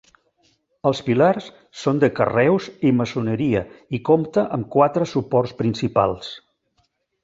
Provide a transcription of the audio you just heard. Els pilars són de carreus i maçoneria i compta amb quatre suports principals.